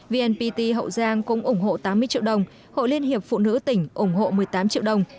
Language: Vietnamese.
vnpt hậu giang cũng ủng hộ tám mươi triệu đồng hội liên hiệp phụ nữ tỉnh ủng hộ một mươi tám triệu đồng